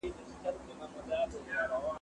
زه کولای سم دا کار وکړم،